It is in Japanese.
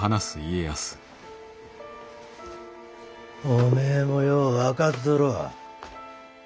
おめえもよう分かっとろう。